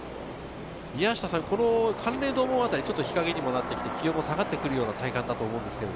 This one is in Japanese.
函嶺洞門あたり、日陰になってきて、気温も下がってくるような体感だと思います。